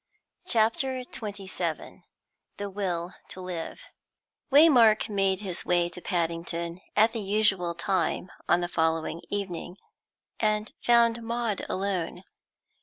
CHAPTER XXVII THE WILL TO LIVE Waymark made his way to Paddington at the usual time on the following evening, and found Maud alone.